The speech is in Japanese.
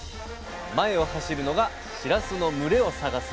前を走るのがしらすの群れを探す